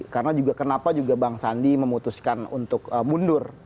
karena juga kenapa juga bang sandi memutuskan untuk mundur